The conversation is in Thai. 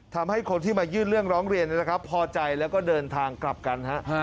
ทำให้คนที่มายืนเรื่องร้องเรียนป่อใจและเดินทางกลับกัน